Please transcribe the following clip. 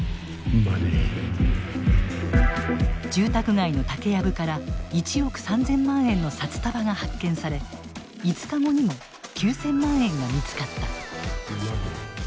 住宅街の竹やぶから１億３，０００万円の札束が発見され５日後にも９，０００万円が見つかった。